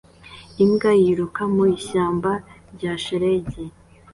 Imbwa yiruka mu ishyamba rya shelegi